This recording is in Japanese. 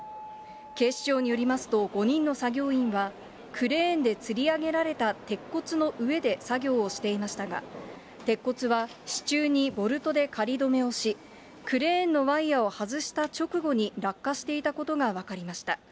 警視庁によりますと、５人の作業員は、クレーンでつり上げられた鉄骨の上で作業をしていましたが、鉄骨は支柱にボルトで仮止めをし、クレーンのワイヤを外した直後に落下していたことが分かりました。